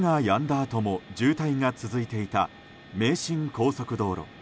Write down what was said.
あとも渋滞が続いていた名神高速道路。